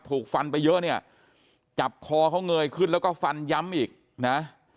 ถูกฟันไปเยอะเนี่ยจับคอเขาเงยขึ้นแล้วก็ฟันย้ำอีกนะ